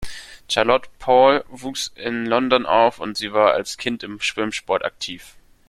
Charlotte Paul wuchs in London auf und sie war als Kind im Schwimmsport aktiv.